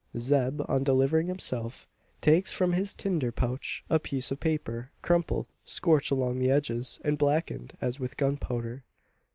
Zeb, on delivering himself, takes from his tinder pouch a piece of paper crumpled scorched along the edges and blackened as with gunpowder.